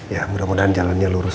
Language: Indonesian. ya mudah mudahan jalannya lurus